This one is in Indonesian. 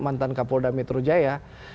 mantan kapolda metro jaya